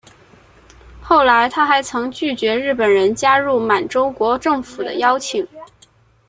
后来他还曾拒绝日本人加入满洲国政府的邀请。